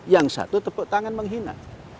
yang satu tepuk tangan menghina